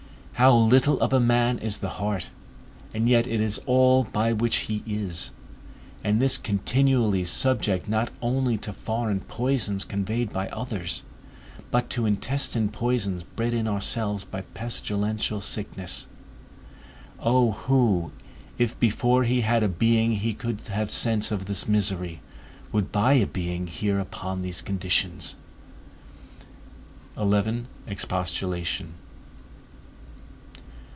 How little of a man is the heart, and yet it is all by which he is; and this continually subject not only to foreign poisons conveyed by others, but to intestine poisons bred in ourselves by pestilential sicknesses. O who, if before he had a being he could have sense of this misery, would buy a being here upon these conditions? XI. EXPOSTULATION.